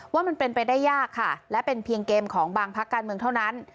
ว่ามันเป็นไปได้ยากค่ะและเป็นเพียงเกมของบางพักการเมืองเท่านั้น